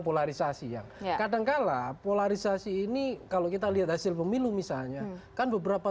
polarisasi yang kadangkala polarisasi ini kalau kita lihat hasil pemilu misalnya kan beberapa